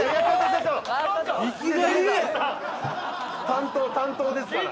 担当担当ですから」